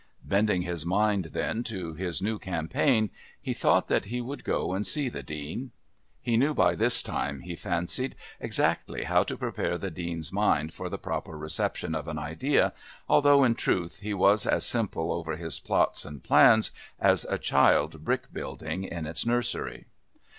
Bending his mind then to this new campaign, he thought that he would go and see the Dean. He knew by this time, he fancied, exactly how to prepare the Dean's mind for the proper reception of an idea, although, in truth, he was as simple over his plots and plans as a child brick building in its nursery.